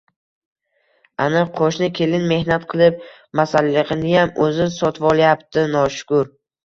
Ana, qoʻshni kelin, mehnat qilib, masalligʻiniyam oʻzi sotvolyapti, noshukr